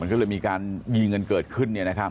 ก็เลยมีการยิงกันเกิดขึ้น